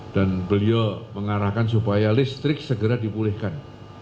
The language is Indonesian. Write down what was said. dan beliau mengarahkan supaya listrik segera dipulihkan